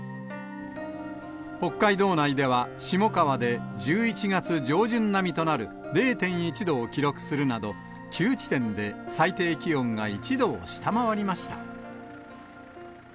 北海道内では、下川で１１月上旬並みとなる０．１度を記録するなど、９地点で最低気温が１度を下回りました。